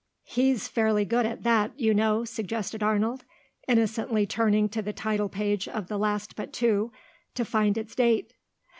"He's fairly good at that, you know," suggested Arnold, innocently turning to the title page of the last but two, to find its date.